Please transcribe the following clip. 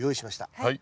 はい。